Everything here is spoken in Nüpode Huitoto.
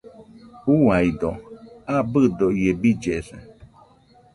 Uaido, abɨdo ie billesa.